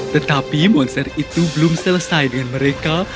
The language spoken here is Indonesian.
tetapi monster itu belum selesai dengan mereka